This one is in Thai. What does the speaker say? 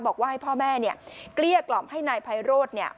บอกว่าให้พ่อแม่เนี่ยเกลี้ยกล่อมให้นายไพโรธเนี่ย